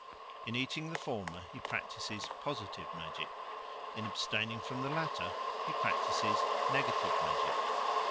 In eating the former he practises positive magic; in abstaining from the latter he practises negative magic.